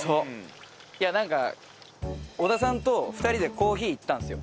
いやなんか織田さんと２人でコーヒー行ったんですよ。